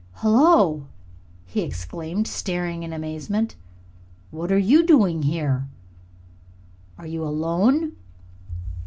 "Hullo!" he exclaimed, starting in amazement. "What are you doing here? Are you alone?"